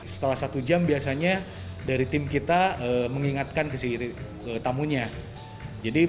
setelah satu jam biasanya dari tim kita mengingatkan ke tamunya